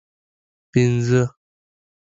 پنځه